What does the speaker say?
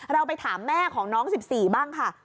เราไปถามแม่ของน้อง๑๔บ้างค่ะ